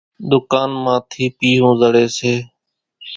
ۮُڪانَ مان ٿِي پيۿون زڙيَ سي۔